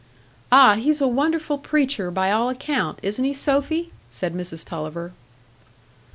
"Ah, he's a wonderful preacher, by all account,—isn't he, Sophy?" said Mrs Tulliver.